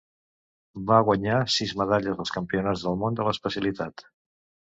Va guanyar sis medalles als Campionats del Món de l'especialitat.